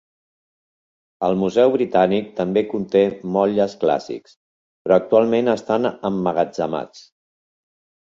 El Museu Britànic també conté motlles clàssics, però actualment estan emmagatzemats.